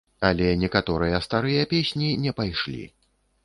Але некаторыя старыя песні не пайшлі.